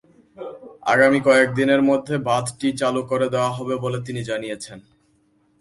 আগামী কয়েক দিনের মধ্যে বাঁধটি চালু করে দেওয়া হবে বলে তিনি জানিয়েছেন।